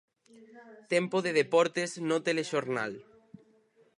Tempo de deportes no Telexornal.